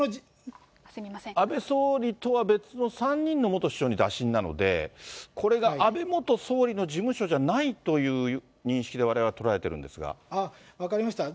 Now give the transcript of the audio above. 安倍総理とは別の３人の元首相に打診なので、これが安倍元総理の事務所じゃないという認識でわれわれ捉えてい分かりました。